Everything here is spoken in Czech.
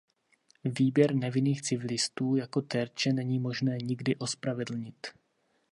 Výběr nevinných civilistů jako terče není možné nikdy ospravedlnit.